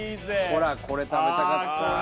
ほらこれ食べたかったああ